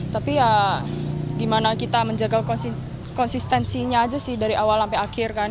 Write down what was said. tapi ya gimana kita menjaga konsistensinya aja sih dari awal sampai akhir kan